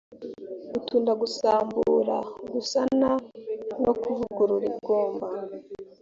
gutunda gusambura gusana no kuvugurura igomba